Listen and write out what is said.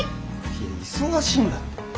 いや忙しいんだって。